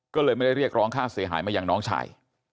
ก็เลยไม่ได้เรียกร้องค่าเสียหายมาอย่างน้องชาย